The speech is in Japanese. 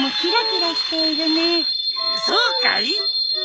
そうかい？